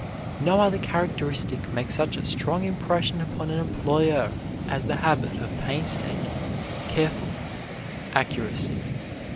No other characteristic makes such a strong impression upon an employer as the habit of painstaking, carefulness, accuracy.